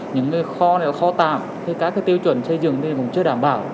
những kho này là kho tạm các tiêu chuẩn chơi dừng thì cũng chưa đảm bảo